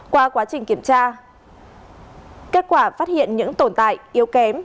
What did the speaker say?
qua quá trình kiểm tra kết quả phát hiện những tồn tại yếu kém